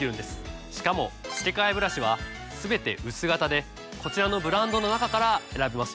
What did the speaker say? しかも付け替えブラシはすべて薄型でこちらのブランドの中から選べますよ。